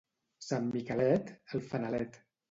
Sant Miquelet, el fanalet.